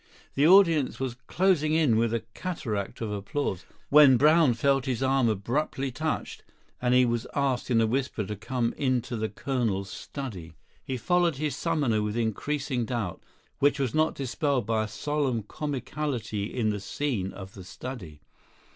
The audience was closing in with a cataract of applause, when Brown felt his arm abruptly touched, and he was asked in a whisper to come into the colonel's study. He followed his summoner with increasing doubt, which was not dispelled by a solemn comicality in the scene of the study.